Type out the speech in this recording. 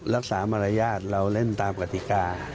รักษามารยาทเราเล่นตามกติกา